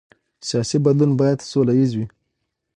سیاسي بدلون باید سوله ییز وي